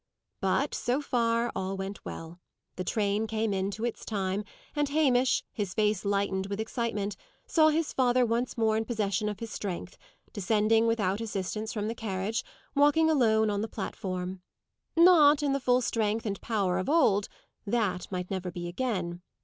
But, so far, all went well. The train came in to its time, and Hamish, his face lighted with excitement, saw his father once more in possession of his strength, descending without assistance from the carriage, walking alone on the platform. Not in the full strength and power of old; that might never be again.